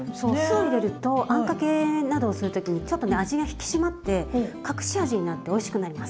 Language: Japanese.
酢を入れるとあんかけなどをする時にちょっとね味が引き締まって隠し味になっておいしくなります。